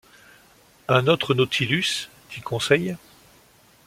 Un autre Nautilus ? dit Conseil.